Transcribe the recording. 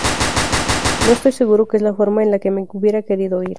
No estoy seguro que es la forma en la que me hubiera querido ir".